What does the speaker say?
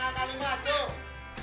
coba yang angka lima tuh